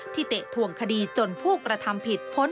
ที่เตะทวงคดีจนผู้กระทำผิดผ้นหมดถิ่น